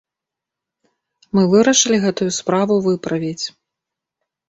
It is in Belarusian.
Мы вырашылі гэтую справу выправіць!